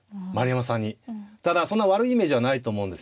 ただそんな悪いイメージはないと思うんですよね。